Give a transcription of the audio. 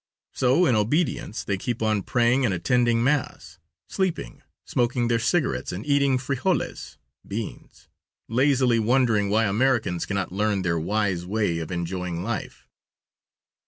So, in obedience they keep on praying and attending mass, sleeping, smoking their cigarettes and eating frijoles (beans), lazily wondering why Americans cannot learn their wise way of enjoying life.